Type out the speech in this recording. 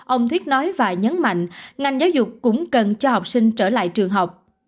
ông thiết nói và nhấn mạnh ngành giáo dục cũng cần cho học sinh trở lại trường học